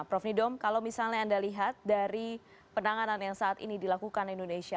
prof nidom kalau misalnya anda lihat dari penanganan yang saat ini dilakukan indonesia